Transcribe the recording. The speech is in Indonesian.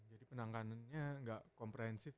jadi penanganannya gak komprehensif